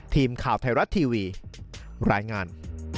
ทีมข่าวไทยรัฐทีวีรายงาน